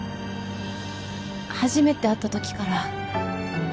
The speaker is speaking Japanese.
初めて会った時から